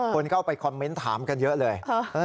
คนเข้าไปคอมเมนต์ถามกันเยอะเลย